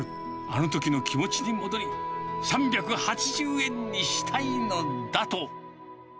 あのときの気持ちに戻り、３８０円にしたいのだと。